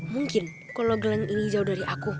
mungkin kalo gelang ini jauh dari aku